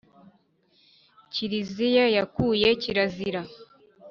Kiriziya yakuye kirazira.